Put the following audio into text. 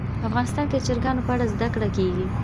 افغانستان کې د چرګانو په اړه زده کړه کېږي.